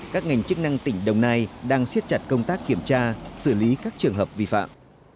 các ngành chức năng tỉnh đồng nai đang siết chặt công tác kiểm tra xử lý các trường hợp vi phạm